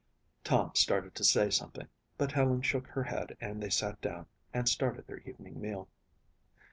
Tom started to say something, but Helen shook her head and they sat down and started their evening meal.